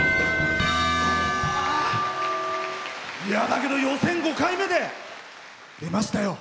だけど予選５回目で出ましたよ。